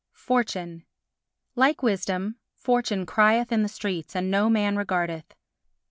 Fortune Like Wisdom, Fortune crieth in the streets, and no man regardeth.